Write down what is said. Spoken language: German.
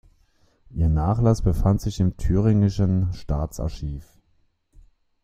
Ihr Nachlass befindet sich im Thüringischen Staatsarchiv.